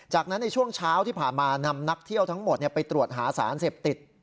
จากนั้นในช่วงเช้าที่ผ่านมานำนักเที่ยวทั้งหมดไปตรวจหาสารเสพติด